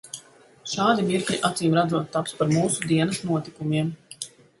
Šādi mirkļi acīmredzot taps par mūsu dienas notikumiem.